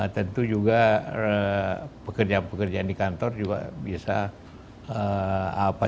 tentu juga pekerjaan pekerjaan di kantor juga bisa terambah